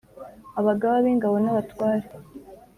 abagaba b'ingabo n'abatware